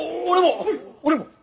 俺も。